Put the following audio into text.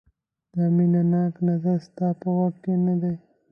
دا مینه ناک نظر ستا په واک کې نه دی.